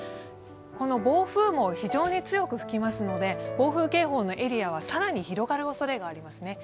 この暴風も非常に強く吹きますので、暴風警報のエリアは更に広がるおそれがありますね。